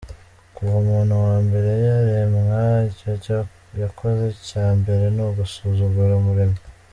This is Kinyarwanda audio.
Kuva umuntu wa mbere yaremwa, icyo yakoze cya mbere ni ugusuzugura Umuremyi.